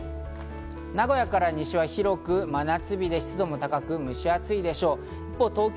名古屋から西は広く真夏日で湿度も高く蒸し暑いでしょう。